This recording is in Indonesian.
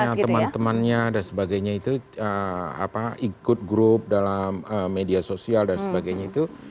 karena teman temannya dan sebagainya itu ikut grup dalam media sosial dan sebagainya itu